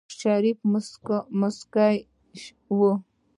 شريف موسکی و.